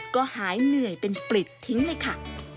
ก็หายเหนื่อยเป็นปลิดทิ้งเลยค่ะ